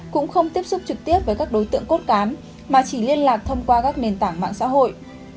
cũng không tiếp xúc trực tiếp với các đối tượng cốt cám mà chỉ liên lạc thông qua các nền tảng mạng xã hội